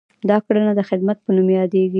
دا کړنه د خدمت په نوم یادیږي.